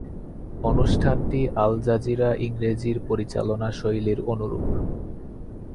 অনুষ্ঠানটি Al Jazeera ইংরেজির পরিচালনা শৈলীর অনুরূপ।